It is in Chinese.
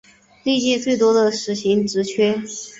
历届最多的实习职缺